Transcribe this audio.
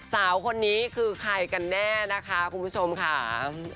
สาวคนนี้คือใครกันแน่นะคะคุณผู้ชมค่ะ